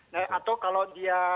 nah atau kalau dia